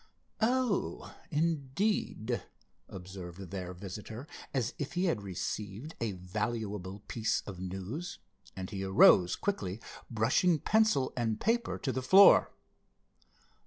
"Oh, indeed!" observed their visitor, as if he had received a valuable piece of news, and he arose quickly, brushing pencil and paper to the floor.